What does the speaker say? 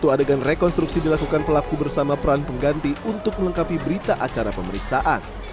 satu adegan rekonstruksi dilakukan pelaku bersama peran pengganti untuk melengkapi berita acara pemeriksaan